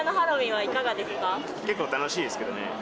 結構楽しいですけどね。